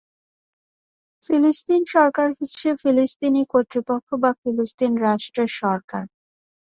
ফিলিস্তিন সরকার হচ্ছে ফিলিস্তিনি কর্তৃপক্ষ বা ফিলিস্তিন রাষ্ট্রের সরকার।